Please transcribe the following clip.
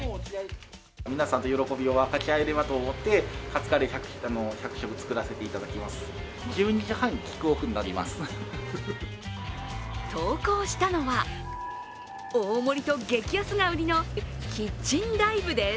皆さんと喜びを分かち合えるかと思ってカツカレーを１００食、作らせていただきます。